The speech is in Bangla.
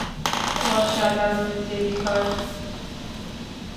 অসাধারণ, জেনিফার।